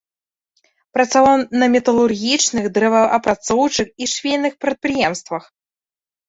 Працаваў на металургічных, дрэваапрацоўчых і швейных прадпрыемствах.